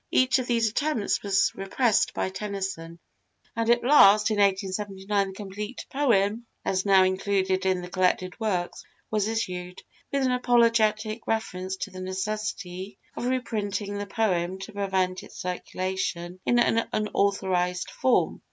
Each of these attempts was repressed by Tennyson, and at last in 1879 the complete poem, as now included in the collected Works, was issued, with an apologetic reference to the necessity of reprinting the poem to prevent its circulation in an unauthorised form.